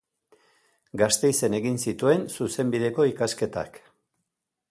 Gasteizen egin zituen zuzenbideko ikasketak.